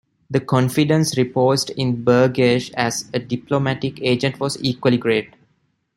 The confidence reposed in Burghersh as a diplomatic agent was equally great.